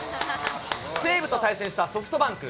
西武と対戦したソフトバンク。